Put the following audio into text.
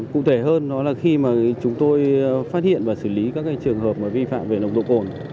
cụ thể hơn là khi chúng tôi phát hiện và xử lý các trường hợp vi phạm về lục độ cổn